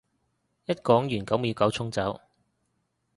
一講完九秒九衝走